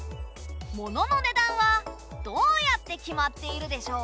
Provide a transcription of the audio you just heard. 物の値段はどうやって決まっているでしょうか？